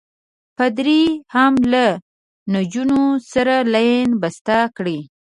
پادري هم له نجونو سره لین بسته کړی.